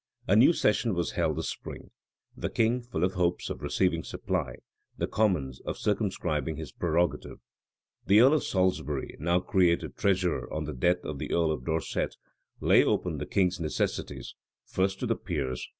A new session was held this spring; the king, full of hopes of receiving supply; the commons, of circumscribing his prerogative. The earl of Salisbury, now created treasurer on the death of the earl of Dorset, laid open the king's necessities, first to the peers, then to a committee of the lower house.